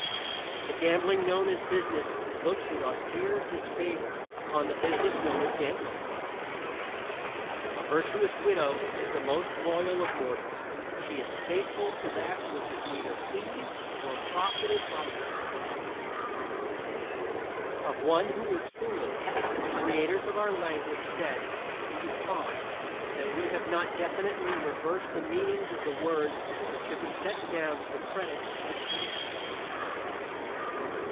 The gambling known as business looks with austere disfavor upon the business known as gambling. A virtuous widow is the most loyal of mortals; she is faithful to that which is neither pleased nor profited by her fidelity. Of one who was "foolish" the creators of our language said that he was "fond." That we have not definitely reversed the meanings of the words should be set down to the credit of our courtesy.